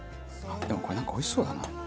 でもこれなんかおいしそうだな。